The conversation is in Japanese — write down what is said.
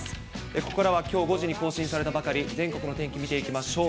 ここからはきょう５時に更新されたばかり、全国の天気見ていきましょう。